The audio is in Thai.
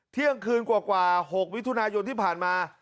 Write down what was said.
เที่ยงคืนกว่า๖วิทยุทธิ์ที่ผ่านมา